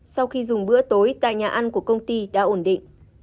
sau khi dùng bữa tối tại nhà ăn của công ty đã ổn định